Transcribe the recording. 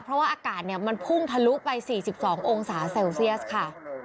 เพราะว่าอากาศเนี่ยมันพุ่งทะลุไปสี่สิบสององศาเซลเซียสค่ะ